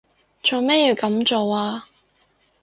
做咩要噉做啊？